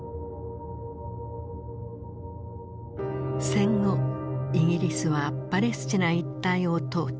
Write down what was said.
戦後イギリスはパレスチナ一帯を統治。